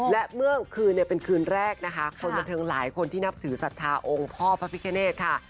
และเมื่อคืนเป็นคืนแรกนะคะคนบันทึงหลายคนที่นับถือสัทธาต่อองค์พ่อพิกเกณฑ์ค่ะ